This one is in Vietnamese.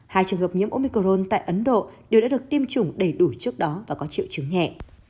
hai trường hợp nhiễm omicron tại ấn độ đều đã được tiêm chủng đầy đủ trước đó và có triệu chứng nhẹ